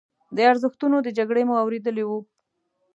د ارزښتونو د جګړې مو اورېدلي وو.